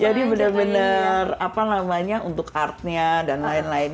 jadi benar benar apa namanya untuk artnya dan lain lain